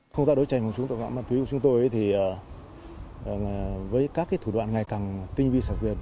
không ta đối tranh với tội vận ma túy của chúng tôi thì với các thủ đoạn ngày càng tinh vi sạc việt